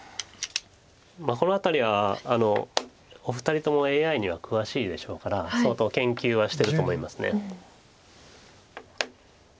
この辺りはお二人ともＡＩには詳しいでしょうから相当研究はしてると思います。